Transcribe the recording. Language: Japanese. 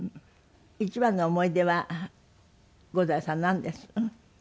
一番の思い出は五大さんなんです？